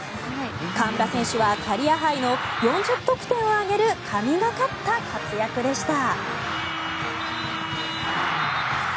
河村選手はキャリアハイの４０得点を挙げる神懸かった活躍でした。